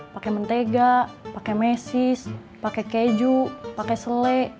pake mentega pake mesis pake keju pake sele